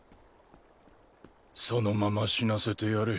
そのまま死なせてやれ。